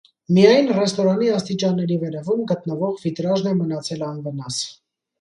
Միայն ռեստորանի աստիճանների վերևում գտնվող վիտրաժն է մնացել անվնաս։